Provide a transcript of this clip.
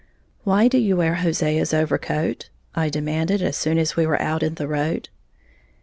"Why do you wear Hosea's overcoat?" I demanded, as soon as we were out in the road.